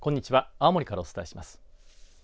青森からお伝えします。